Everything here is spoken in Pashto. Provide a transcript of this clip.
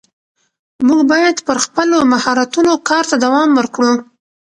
موږ باید پر خپلو مهارتونو کار ته دوام ورکړو